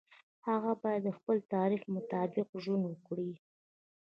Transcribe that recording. هغه باید د خپل تعریف مطابق ژوند وکړي.